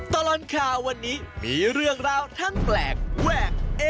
ตลอดข่าววันนี้มีเรื่องราวทั้งแปลกแวกเอ๊